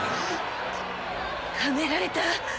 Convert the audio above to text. はめられた。